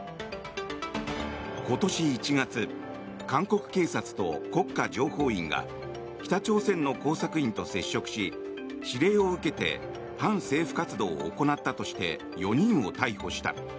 今年１月韓国警察と国家情報院が北朝鮮の工作員と接触し指令を受けて反政府活動を行ったとして４人を逮捕した。